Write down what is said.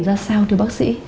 là sao thưa bác sĩ